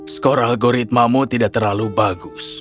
skor algoritmamu tidak terlalu bagus